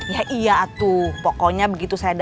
ya iya tuh pokoknya begitu saya dasar